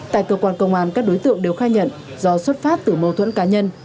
tại cơ quan công an các đối tượng đều khai nhận do xuất phát từ mâu thuẫn cá nhân